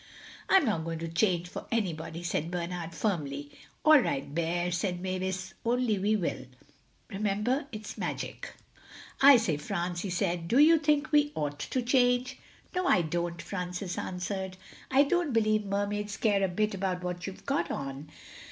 "I'm not going to change for anybody," said Bernard firmly. "All right, Bear," said Mavis. "Only we will. Remember it's magic." "I say, France," he said, "do you think we ought to change?" "No, I don't," Francis answered. "I don't believe Mermaids care a bit what you've got on.